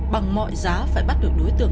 bằng mọi giá phải bắt được đối tượng